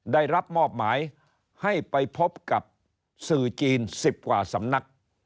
ได้รับมอบหมายให้ไปพบกับสื่อจีน๑๐กว่าสำนัก